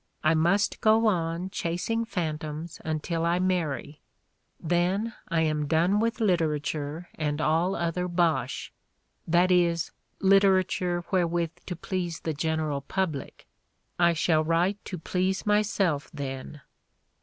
I must go on chasing [phantoms] until I marry, then I am done with literature and all other bosh — that is, literature wherewith to please the general public. I shall write to please myself then."